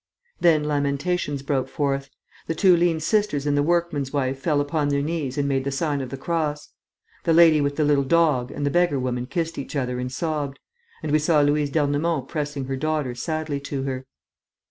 Then lamentations broke forth. The two lean sisters and the workman's wife fell upon their knees and made the sign of the cross. The lady with the little dog and the beggar woman kissed each other and sobbed; and we saw Louise d'Ernemont pressing her daughter sadly to her.